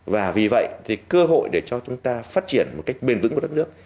và vì vậy thì cơ hội để cho chúng ta phát triển một cách bền vững của đất nước